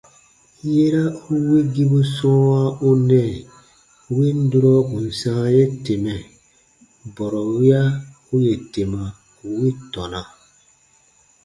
Yera u wigibu sɔ̃ɔwa u nɛɛ win durɔ kùn sãa ye temɛ, bɔrɔ wiya u yè tema wi tɔna.